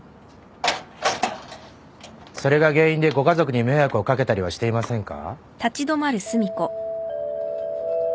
それが原因でご家族に迷惑を掛けたりはしていませんか？